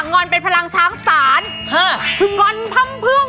ก้อนพังเพื่อง